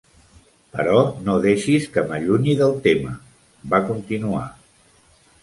"Però no deixis que m'allunyi del tema", va continuar.